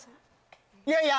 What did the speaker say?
いやいや！